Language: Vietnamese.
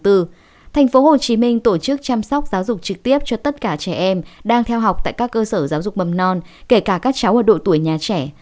tp hcm tổ chức chăm sóc giáo dục trực tiếp cho tất cả trẻ em đang theo học tại các cơ sở giáo dục mầm non kể cả các cháu ở độ tuổi nhà trẻ